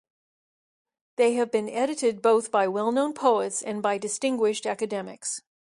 They have been edited both by well-known poets and by distinguished academics.